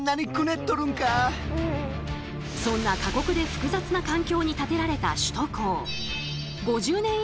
そんな過酷で複雑な環境に建てられた首都高。